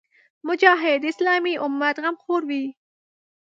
مجاهد د اسلامي امت غمخور وي.